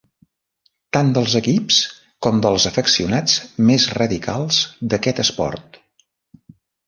Tant dels equips com dels afeccionats més radicals d'aquest esport.